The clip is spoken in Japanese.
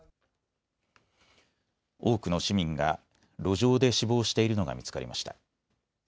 多くの市民が路上で死亡しているのが見つかりました。